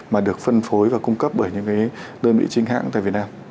mà được phân phối và cung cấp bởi những cái đơn vị chính hãng tại việt nam